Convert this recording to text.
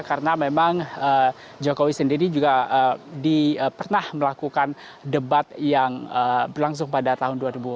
karena memang jokowi sendiri juga pernah melakukan debat yang berlangsung pada hari ini